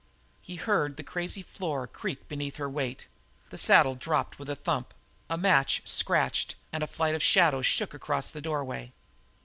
He heard the crazy floor creak beneath her weight; the saddle dropped with a thump; a match scratched and a flight of shadows shook across the doorway.